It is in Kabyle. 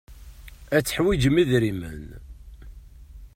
Ad teḥwijem idrimen.